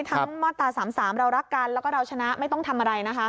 มาตรา๓๓เรารักกันแล้วก็เราชนะไม่ต้องทำอะไรนะคะ